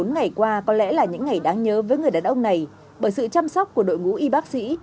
bốn ngày qua có lẽ là những ngày đáng nhớ với người đàn ông này bởi sự chăm sóc của đội ngũ y bác sĩ